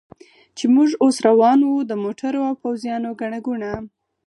چې موږ اوس روان و، د موټرو او پوځیانو ګڼه ګوڼه.